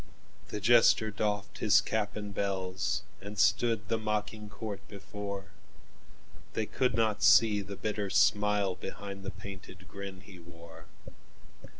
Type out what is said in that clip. The jester doffed his cap and bells, And stood the mocking court before; They could not see the bitter smileBehind the painted grin he wore.